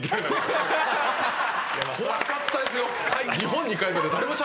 怖かったですよ。